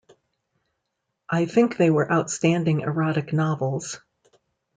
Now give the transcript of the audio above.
I think they were outstanding erotic novels.